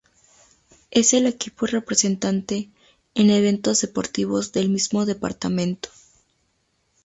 Es el equipo representante en eventos deportivos del mismo departamento.